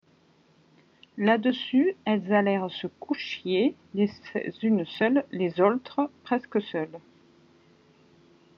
Là-dessus, elles allèrent se couchier, les unes seules, les aultres presque seules.